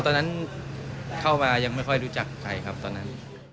ตอนนั้นเข้ามายังไม่ค่อยรู้จักใครครับตอนนั้น